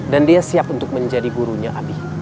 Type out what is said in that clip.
dan dia siap untuk menjadi gurunya abi